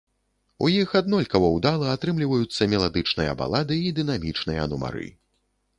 У іх аднолькава ўдала атрымліваюцца меладычныя балады і дынамічныя нумары.